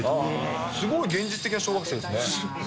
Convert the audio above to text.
すごい現実的な小学生ですね。